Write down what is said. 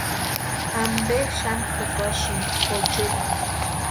¿Ampe xani jukasïnki ochepu?